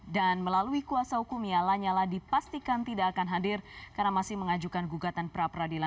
dan melalui kuasa hukumnya lanyala dipastikan tidak akan hadir karena masih mengajukan gugatan pra pradila